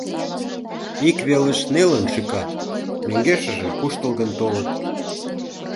Ик велыш нелын шӱкат, мӧҥгешыже куштылгын толыт.